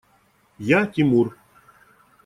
Я – Тимур.